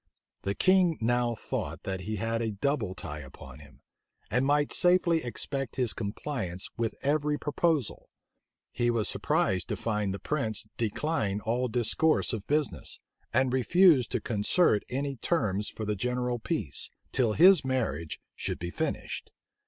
The king now thought that he had a double tie upon him, and might safely expect his compliance with every proposal: he was surprised to find the prince decline all discourse of business, and refuse to concert any terms for the general peace, till his marriage should be finished.